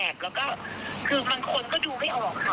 แล้วก็คือบางคนก็ดูไม่ออกค่ะ